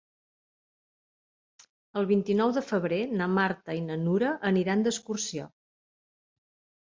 El vint-i-nou de febrer na Marta i na Nura aniran d'excursió.